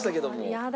嫌だ。